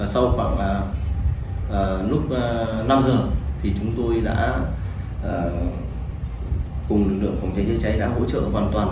sau khoảng lúc năm giờ thì chúng tôi đã cùng lực lượng phòng cháy chữa cháy đã hỗ trợ hoàn toàn